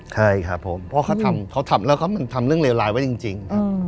ใช่ครับผมเพราะเขาทำแล้วมันทำเรื่องเลวร้ายไว้จริง